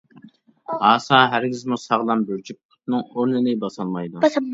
ھاسا ھەرگىزمۇ ساغلام بىر جۈپ پۇتنىڭ ئورنىنى باسالمايدۇ.